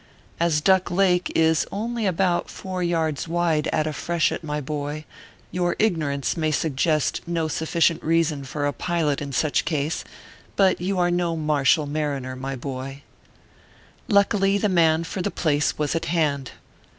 As Duck Lake is only about four yards wide at a freshet, my boy, your ignorance may suggest no suffi cient reason for a pilot in such a case ; but you are no martial manner, my boy. Luckily the man for the place was at hand.